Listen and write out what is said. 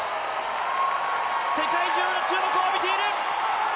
世界中の注目を浴びている。